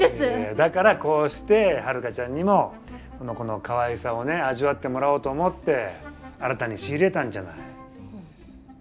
だからこうしてハルカちゃんにもこの子のかわいさをね味わってもらおうと思って新たに仕入れたんじゃない？